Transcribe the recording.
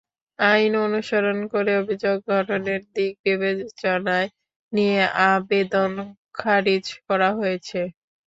আইন অনুসরণ করে অভিযোগ গঠনের দিক বিবেচনায় নিয়ে আবেদন খারিজ করা হয়েছে।